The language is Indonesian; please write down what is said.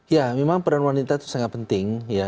ya memang peran wanita itu sangat penting ya